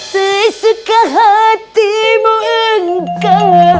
saya suka hatimu engkau